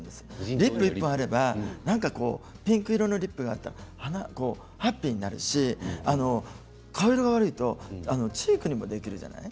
リップ１本あればなんかピンク色のリップだったらハッピーになるし顔色が悪いとチークにもできるじゃない？